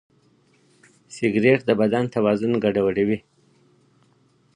سګریټ د بدن توازن ګډوډوي.